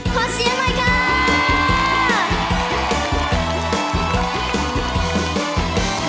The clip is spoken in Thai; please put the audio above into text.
ขอเสียงให้ค่ะ